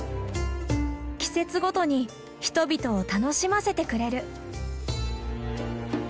季節ごとに人々を楽しませてくれる。